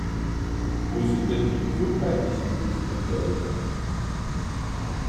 Wo sind denn die gesundheitlichen Prüfkriterien?